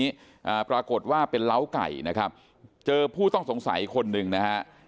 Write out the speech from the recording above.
อ่าปรากฏว่าเป็นเล้าไก่นะครับเจอผู้ต้องสงสัยคนหนึ่งนะฮะ